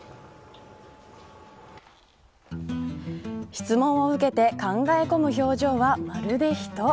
質問を受けて考え込む表情はまるで人。